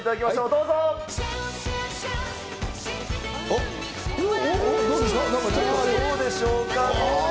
どうでしょうか。